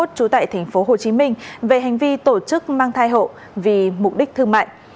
trú tại tp hồ chí minh về hành vi tổ chức mang thai hộ vì mục đích thương mại